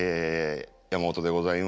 山本でございます。